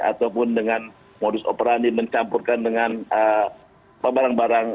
ataupun dengan modus operandi mencampurkan dengan barang barang